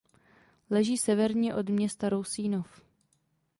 Leží severně od města Rousínov.